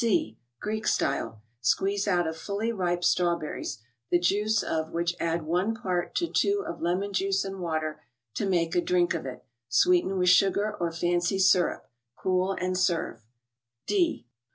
C.— Greek style : Squeeze out of fully ripe strawberries, the juice, of which add one part to two of lemon juice and water to make a drink of it ; sweeten with sugar or fancy syrup, cool and serve. D.